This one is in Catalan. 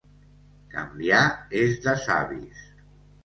Canviar és de savis.